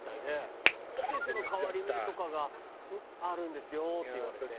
「季節の変わり目とかがあるんですよ」って言われて。